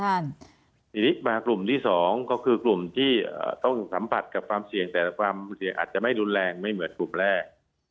ทีนี้มากลุ่มที่สองก็คือกลุ่มที่ต้องสัมผัสกับความเสี่ยงแต่ความเสี่ยงอาจจะไม่รุนแรงไม่เหมือนกลุ่มแรก